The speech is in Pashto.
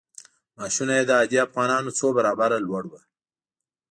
معاشونه یې د عادي افغانانو څو برابره لوړ وو.